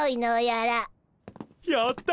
やった！